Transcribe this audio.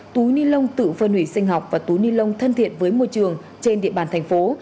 túi ni lông tự phân hủy sinh học và túi ni lông thân thiện với môi trường trên địa bàn thành phố